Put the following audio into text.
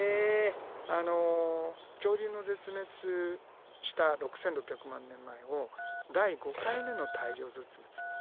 あの恐竜の絶滅した６，６００万年前を第５回目の大量絶滅って。